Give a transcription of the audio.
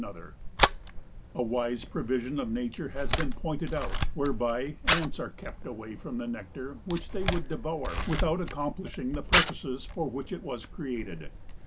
A wise provision of nature has been pointed out whereby ants are kept away from the nectar which they would devour without accomplishing the purposes for which it was created.